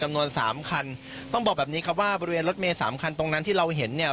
จำนวนสามคันต้องบอกแบบนี้ครับว่าบริเวณรถเมย์สามคันตรงนั้นที่เราเห็นเนี่ย